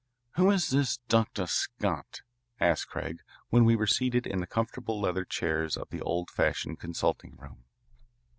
"Who is this Dr. Scott?" asked Craig when we were seated in the comfortable leather chairs of the old fashioned consulting room.